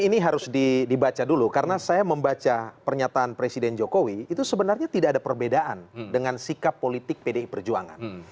ini harus dibaca dulu karena saya membaca pernyataan presiden jokowi itu sebenarnya tidak ada perbedaan dengan sikap politik pdi perjuangan